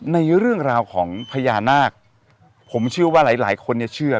ในเรื่องราวของพญานาคผมเชื่อว่าหลายคนจะเชื่อ